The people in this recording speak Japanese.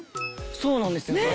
そうなんですよね。